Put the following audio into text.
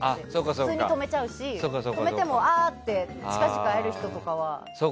普通に止めちゃうし、止めても近々、会える人とかは。